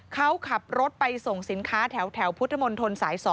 เขาขับรถไปส่งสินค้าแถวพุทธมนตรสาย๒